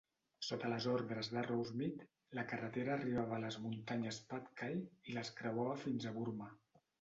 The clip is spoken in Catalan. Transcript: Sota les ordres d'Arrowsmith, la carretera arribava a les muntanyes Patkai i les creuava fins a Burma.